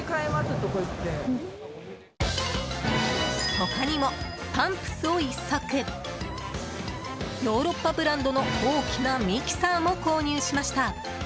他にも、パンプスを１足ヨーロッパブランドの大きなミキサーも購入しました。